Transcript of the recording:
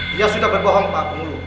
dia sudah berbohong pak